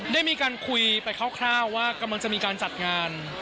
ได้มีการคุยไปคร่าวว่ากำลังจะมีการจัดงาน